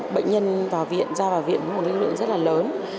bệnh nhân vào viện ra vào viện có một lực lượng rất là lớn